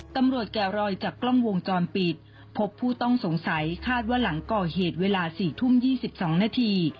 ตำรวจแก่รอยจากกล้องวงจรปิดพบผู้ต้องสงสัยคาดว่าหลังก่อเหตุเวลา๔ทุ่ม๒๒นาที